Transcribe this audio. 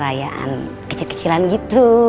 rayaan kecil kecilan gitu